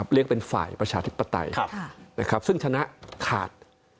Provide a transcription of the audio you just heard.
เรียกเป็นฝ่ายประชาธิปไตยซึ่งชนะขาด